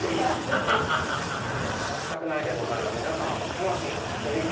ハハハハ「働きたくないでござる」は皆様の魂の叫びから。